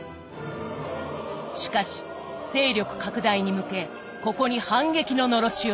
しかし勢力拡大に向けここに反撃ののろしを上げた。